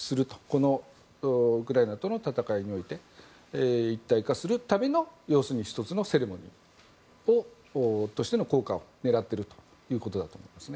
このウクライナとの戦いにおいて一体化するための１つのセレモニーとしての効果を狙っているということだと思います。